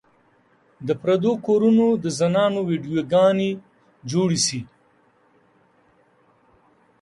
د پردو کورونو د زنانو ويډيو ګانې جوړې شي